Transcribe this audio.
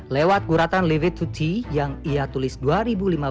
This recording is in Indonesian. lewat guratan levetuti yang ia tuliskan